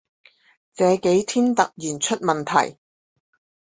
這幾天突然出問題